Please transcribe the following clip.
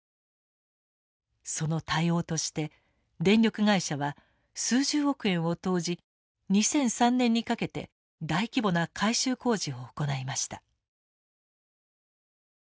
その対応として電力会社は数十億円を投じ２００３年にかけて大規模な改修工事を行いました。